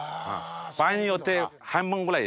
場合によって半分ぐらいになります。